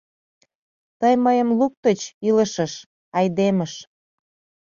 Тый мыйым луктыч илышыш, айдемыш.